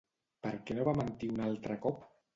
Per què no va mentir un altre cop?